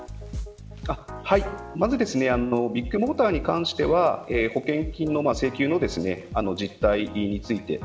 まずビッグモーターに関しては保険金の請求の実態について。